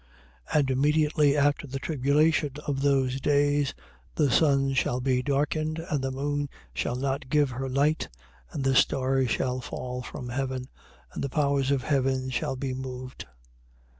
And immediately after the tribulation of those days, the sun shall be darkened and the moon shall not give her light and the stars shall fall from heaven and the powers of heaven shall be moved.